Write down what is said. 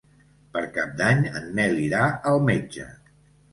Per Cap d'Any en Nel irà al metge.